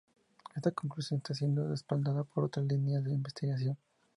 Esta conclusión está siendo respaldada por otras líneas de investigación.